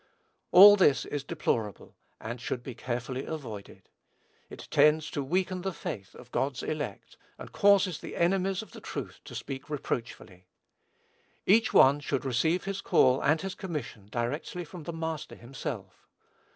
All this is deplorable, and should be carefully avoided. It tends to weaken the faith of God's elect, and causes the enemies of the truth to speak reproachfully. Each one should receive his call and his commission directly from the Master himself.